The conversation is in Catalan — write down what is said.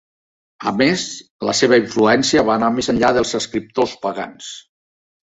A més, la seva influència va anar més enllà dels escriptors pagans.